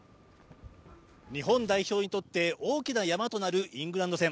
日本代表にとって大きなヤマとなるイングランド戦。